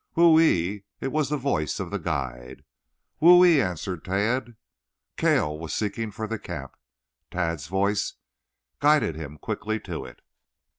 "Whoo ee!" It was the voice of the guide. "Whoo ee!" answered Tad. Cale was seeking for the camp. Tad's voice guided him quickly to it.